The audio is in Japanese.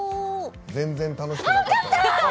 「全然楽しくなかった」？